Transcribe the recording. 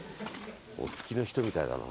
お付きの人みたいだな。